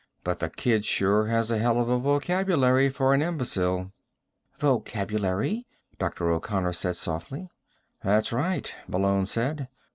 "But the kid sure has a hell of a vocabulary for an imbecile." "Vocabulary?" Dr. O'Connor said softly. "That's right," Malone said.